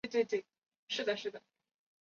蛮多旅馆的